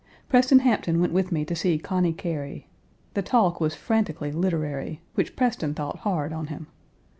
Preston Hampton went with me to see Conny Cary. The talk was frantically literary, which Preston thought hard on him.